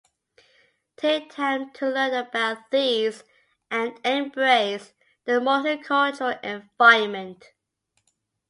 Take time to learn about these and embrace the multicultural environment.